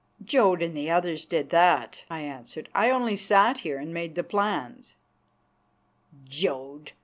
"Jodd and the others did that," I answered. "I only sat here and made the plans." "Jodd!"